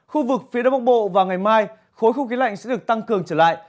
khu vực phía đông bắc bộ vào ngày mai khối không khí lạnh sẽ được tăng cường trở lại